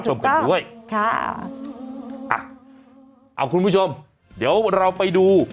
ชมกันด้วยค่ะอ่ะเอาคุณผู้ชมเดี๋ยวเราไปดู